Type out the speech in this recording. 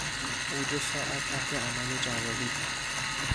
او دو ساعت تحت عمل جراحی بود.